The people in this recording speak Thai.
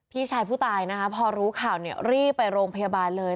พี่ชายผู้ตายพอรู้ข่าวรีบไปโรงพยาบาลเลย